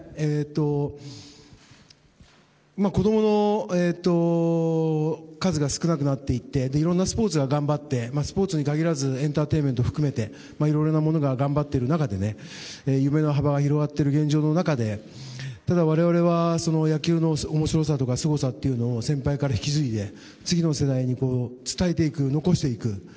子供の数が少なくなっていっていろいろなスポーツが頑張ってスポーツに限らずエンターテインメント含めていろいろなものが頑張っている中で夢の幅が広がっている現状の中で我々は野球の面白さとかすごさを先輩から引き継いで次の世代に伝えていく、残していく。